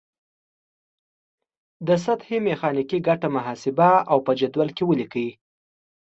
د سطحې میخانیکي ګټه محاسبه او په جدول کې ولیکئ.